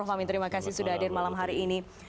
pak amin terima kasih sudah hadir malam hari ini